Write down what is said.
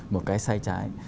một cái sai trái